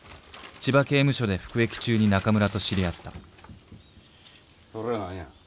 千葉刑務所で服役中に中村と知り合ったそれは何や？